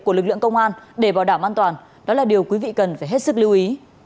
của lực lượng công an để bảo đảm an toàn đó là điều quý vị cần phải hết sức lưu ý